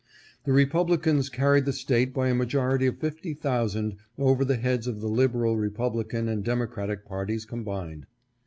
The Republicans carried the State by a majority of fifty thousand over the heads of the Liberal Republican and Democratic parties combined.